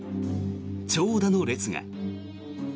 長蛇の列が。